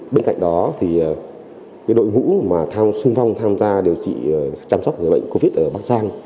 bên cạnh đó đội ngũ xung phong tham gia điều trị chăm sóc người bệnh covid ở bắc giang